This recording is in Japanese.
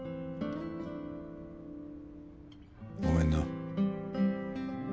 ごめんな。